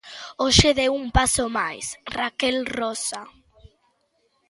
Hoxe deu un paso máis, Raquel Rosa.